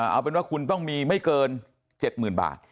เอาเป็นว่าคุณต้องมีไม่เกิน๗๐๐๐บาท